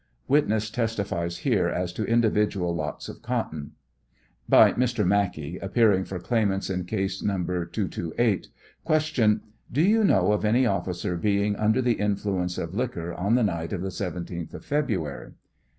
(Witness testifies here as to individual lots of cotton.) '■ By Mr. Mackey, (appearing for claimant's in case No. 228 Q. Do you know of any officer being under the influ ence of liquor on the night of the 17th of February